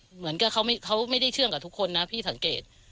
เหมือนกับเขาไม่ได้เชื่อมกับทุกคนนะพี่สังเกต